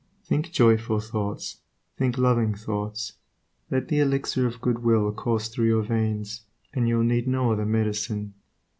Think joyful thoughts; think loving thoughts; let the elixir of goodwill course through your veins, and you will need no other medicine.